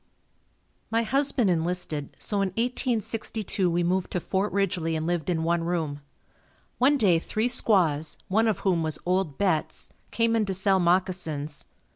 My husband enlisted, so in 1862 we moved to Fort Ridgely and lived in one room. One day three squaws, one of whom was old Betts, came in to sell moccasins.